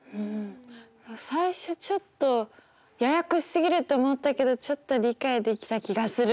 最初ちょっとややこしすぎるって思ったけどちょっと理解できた気がする。